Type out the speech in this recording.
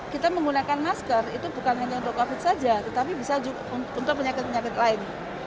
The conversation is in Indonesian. kita menggunakan masker itu bukan hanya untuk covid saja tetapi bisa untuk penyakit penyakit lain